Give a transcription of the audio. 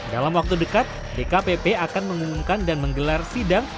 dalam waktu dekat dkpp akan mengumumkan dan menggelar sidang